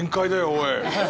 おい。